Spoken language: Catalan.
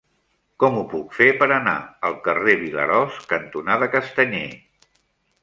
Com ho puc fer per anar al carrer Vilarós cantonada Castanyer?